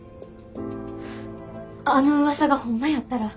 あのうわさがホンマやったら。